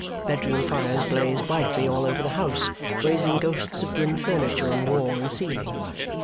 Bedroom fires blaze brightly all over the house, raising ghosts of grim furniture on wall and ceiling.